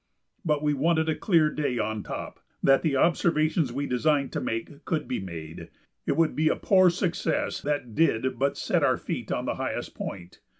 But we wanted a clear day on top, that the observations we designed to make could be made; it would be a poor success that did but set our feet on the highest point.